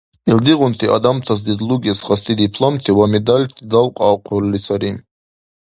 Илдигъунти адамтас дедлугес хасти дипломти ва медальти далкьаахъурли сари.